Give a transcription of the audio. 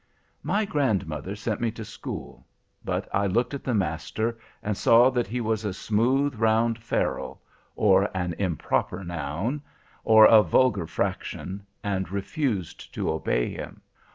"My grandmother sent me to school, but I looked at the master, and saw that he was a smooth, round ferule—or an improper noun—or a vulgar fraction, and refused to obey him.